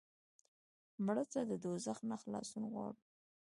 مړه ته د دوزخ نه خلاصون غواړو